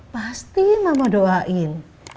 pasti mama doain